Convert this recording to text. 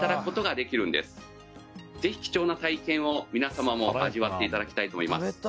「ぜひ貴重な体験を皆様も味わっていただきたいと思います」